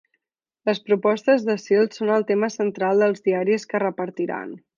Les propostes d'asil són el tema central dels diaris que es repartiran